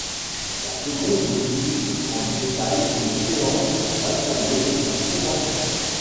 La seconde décrit en détail une séance de l'assemblée de la Convention.